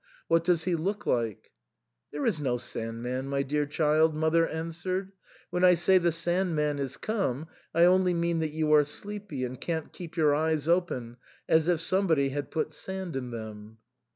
What does he look like ?" "There is no Sand man, my dear child," mother answered ; "when I say the Sand man is come, I only mean that you are sleepy and can't keep your eyes open, as if somebody had put sand in them."